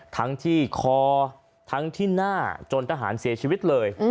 ทั้งที่คอทั้งที่หน้าจนทหารเสียชีวิตเลย